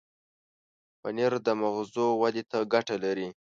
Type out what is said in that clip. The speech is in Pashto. پنېر د مغزو ودې ته ګټه لري.